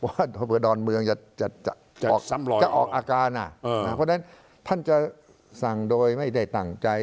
เพราะว่าเผื่อดอนเมืองจะออกอาการอ่ะเพราะฉะนั้นท่านจะสั่งโดยไม่ได้ต่างใจ